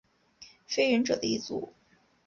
非人者的一族。